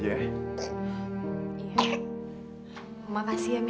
iya terima kasih ya mil